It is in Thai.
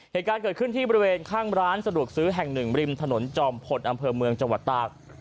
เหตุการณ์เกิดขึ้นที่บริเวณข้างร้านสะดวกซื้อแห่งหนึ่งริมถนนจอมพลอำเภอเมืองจังหวัดตาก